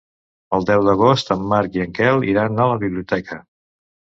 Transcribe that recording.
El deu d'agost en Marc i en Quel iran a la biblioteca.